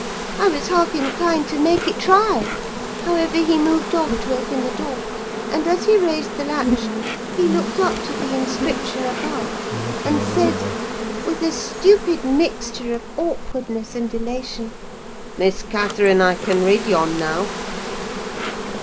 I was half inclined to make it try; however, he moved off to open the door, and, as he raised the latch, he looked up to the inscription above, and said, with a stupid mixture of awkwardness and elation: 'Miss Catherine! I can read yon, now.